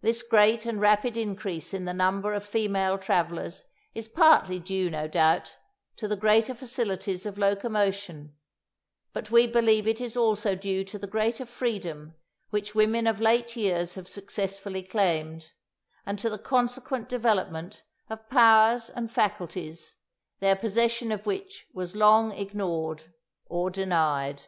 This great and rapid increase in the number of female travellers is partly due, no doubt, to the greater facilities of locomotion; but we believe it is also due to the greater freedom which women of late years have successfully claimed, and to the consequent development of powers and faculties, their possession of which was long ignored or denied.